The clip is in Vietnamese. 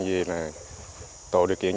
vì là tổ điều kiện